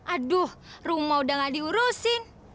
aduh rumah udah gak diurusin